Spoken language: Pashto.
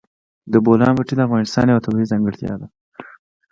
د بولان پټي د افغانستان یوه طبیعي ځانګړتیا ده.